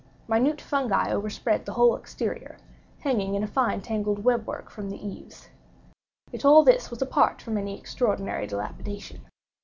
Minute fungi overspread the whole exterior, hanging in a fine tangled web work from the eaves. Yet all this was apart from any extraordinary dilapidation.